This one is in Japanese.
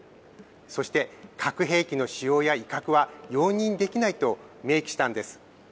そして核兵器の使用や威嚇は容認できないと明記したんです。